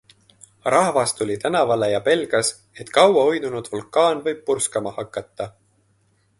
Rahvas tuli tänavale ja pelgas, et kaua uinunud vulkaan võib purskama hakata.